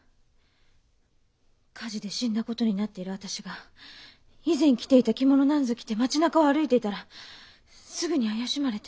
火事で死んだ事になっている私が以前着ていた着物なんぞ着て町なかを歩いていたらすぐに怪しまれて。